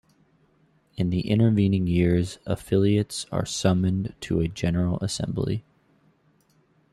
In the intervening years, affiliates are summoned to a General Assembly.